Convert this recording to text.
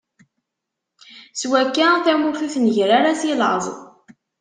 Swakka, tamurt ur tnegger ara si laẓ.